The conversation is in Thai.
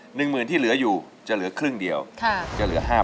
๑หมื่นที่เหลืออยู่จะเหลือครึ่งเดียวจะเหลือ๕๐๐๐บาท